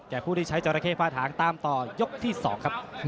ผู้ที่ใช้จราเข้ฝ้าถางตามต่อยกที่๒ครับ